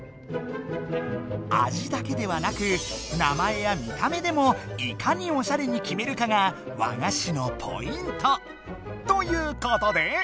あじだけではなく名前や見た目でもいかにおしゃれにきめるかが和菓子のポイント！ということで！